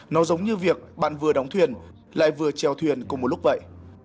nó giống như việc bạn vừa đóng thuyền lại vừa trèo thuyền cùng một lúc vậy